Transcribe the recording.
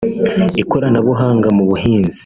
ikoranabuhanga mu buhinzi